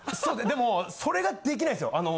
でもそれが出来ないんですよ。